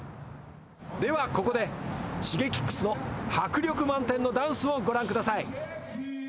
ではここでＳｈｉｇｅｋｉｘの迫力満点のダンスをご覧ください。